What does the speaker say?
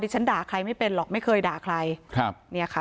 ฉันด่าใครไม่เป็นหรอกไม่เคยด่าใครครับเนี่ยค่ะ